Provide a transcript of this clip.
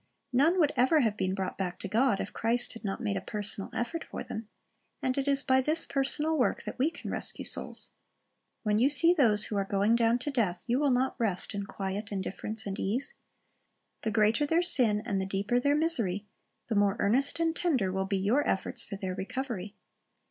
None would ever have been brought back to God if Christ had not made a personal effort for them; and it is by this personal work that we can rescue souls. When you see those who are going down to death, you will not rest in quiet indifference and ease. The greater their sin and the deeper their misery, the more earnest and tender will be your efforts for their recovery.